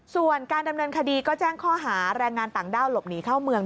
ส่วนการดำเนินคดีก็แจ้งข้อหาแรงงานต่างด้าวหลบหนีเข้าเมือง